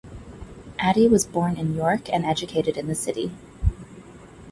Addy was born in York and educated in the city.